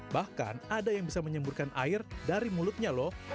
bahkan ada yang bisa menyemburkan air dari mulutnya loh